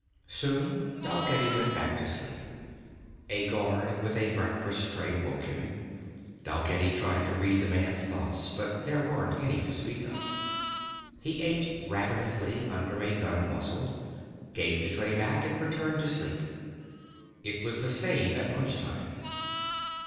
Soon Dalgetty went back to sleep. A guard with a breakfast tray woke him. Dalgetty tried to read the man's thoughts but there weren't any to speak of. He ate ravenously under a gun muzzle, gave the tray back and returned to sleep. It was the same at lunch time.